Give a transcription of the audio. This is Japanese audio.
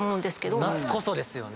夏こそですよね。